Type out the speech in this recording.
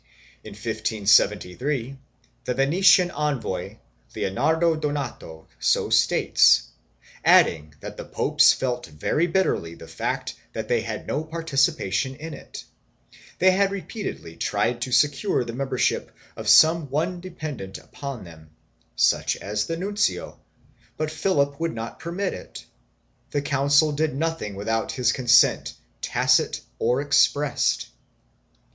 In 1573 the Venitian envoy Leonardo Donato so states, adding that the popes felt very bitterly the fact that they had no participation in it; they had repeatedly tried to secure the membership of some one dependent upon them, such as the nuncio, but Philip would not permit it; the council did nothing without his consent, tacit or expressed.